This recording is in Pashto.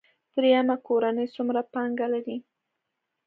دریم کورنۍ څومره پانګه لري.